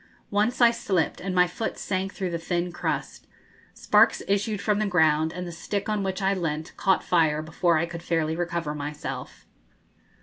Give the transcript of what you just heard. Once I slipped, and my foot sank through the thin crust. Sparks issued from the ground, and the stick on which I leant caught fire before I could fairly recover myself.